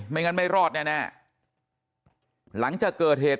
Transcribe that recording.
งั้นไม่รอดแน่หลังจากเกิดเหตุ